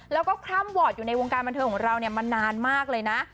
แล้วก็คล่ำวอร์ดอยู่ในวงการบันเทิงของเรามานานมากเลยนะ